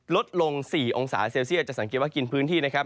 ลดลง๔องศาเซลเซียตจะสังเกตว่ากินพื้นที่นะครับ